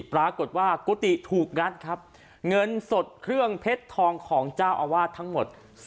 ปรากฏว่ากุฏิถูกงัดครับเงินสดเครื่องเพชรทองของเจ้าอาวาสทั้งหมด